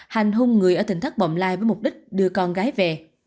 hành hung người ở tỉnh thác bộng lai với mục đích đưa con gái về